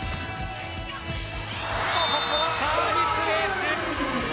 ここはサービスエース。